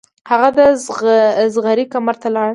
هغه د زغرې کمرې ته لاړ.